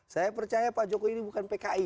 saya percaya pak jokowi ini bukan pki